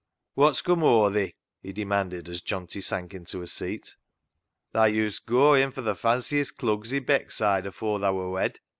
" Wots cum o'er thi ?" he demanded, as Johnty sank into a seat. " Tha used goa in for th' fanciest clugs i' Beckside afoor tha wor wed.